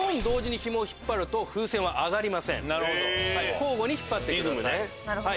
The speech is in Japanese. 交互に引っ張ってください。